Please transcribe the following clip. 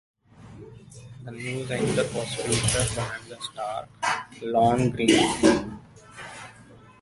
The news anchor was future "Bonanza" star, Lorne Greene.